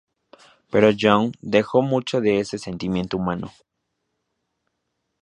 Pero John dejó mucho de ese sentimiento humano.